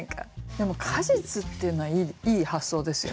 でも「果実」っていうのはいい発想ですよね。